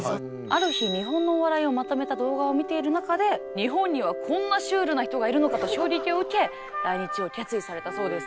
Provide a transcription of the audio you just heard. ある日日本のお笑いをまとめた動画を見ている中で日本にはこんなシュールな人がいるのかと衝撃を受け来日を決意されたそうです。